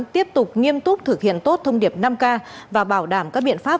tiếp tục nghiêm túc thực hiện tốt thông điệp năm k và bảo đảm các biện pháp